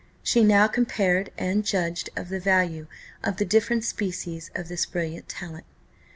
She now compared and judged of the value of the different species of this brilliant talent.